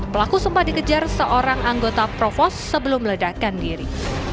pelaku sempat dikejar seorang anggota provos sebelum meledakan diri